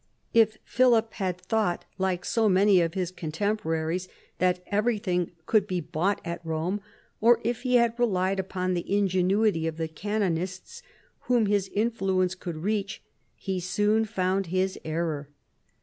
If Philip had thought, like so many of his contemporaries, that everything could be bought at Borne, or if he had relied upon the ingenuity of the canonists, whom his influence could reach, he soon found his error.